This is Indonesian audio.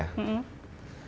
buku baru satu ya